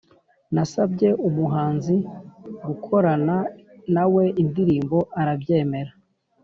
Nasabye umuhanzi gukorana nawe indirimbo arabyemera